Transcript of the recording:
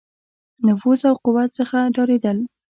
نفوذ او قوت څخه ډارېدل.